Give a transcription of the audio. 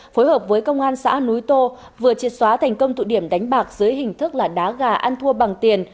phối hợp với công an xã núi tô vừa triệt xóa thành công tụ điểm đánh bạc dưới hình thức là đá gà ăn thua bằng tiền